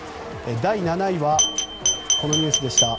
第７位は、このニュースでした。